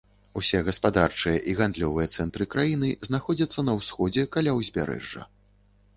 Усе гаспадарчыя і гандлёвыя цэнтры краіны знаходзяцца на ўсходзе, каля ўзбярэжжа.